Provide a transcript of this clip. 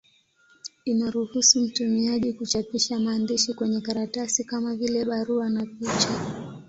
Inaruhusu mtumiaji kuchapisha maandishi kwenye karatasi, kama vile barua na picha.